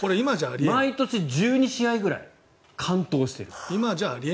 毎年１２試合くらい完投している。